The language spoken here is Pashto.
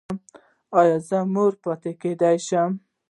ایا زما مور پاتې کیدی شي؟